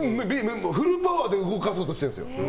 フルパワーで動かそうとしてるんです。